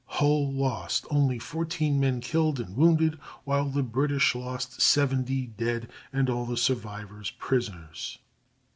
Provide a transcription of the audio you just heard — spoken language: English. Hull lost only fourteen men killed and wounded, while the British lost seventy, dead, and all the survivors prisoners.